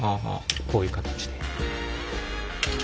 こういう形で。